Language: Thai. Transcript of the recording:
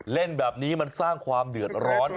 เล่นแบบนี้มันสร้างความเดือดร้อน